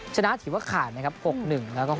ชนะถือว่าขาดนะครับ๖๑แล้วก็๖